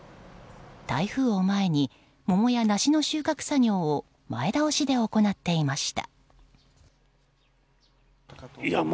台風を前に、桃や梨の収穫作業を前倒しで行っていました。